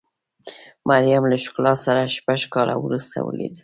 مریم له ښکلا سره شپږ کاله وروسته ولیدل.